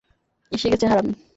এসে গেছে হারামী।